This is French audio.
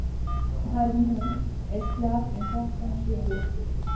Parmi eux, esclaves, une personne sur deux.